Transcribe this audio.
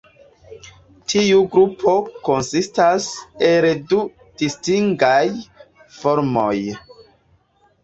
Tiu grupo konsistas el du distingaj formoj.